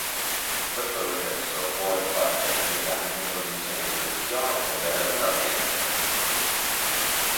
Questo processo può infatti avvenire anche in condizioni di pressione e temperatura ambiente.